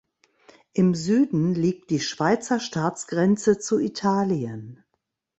Im Süden liegt die Schweizer Staatsgrenze zu Italien.